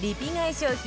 商品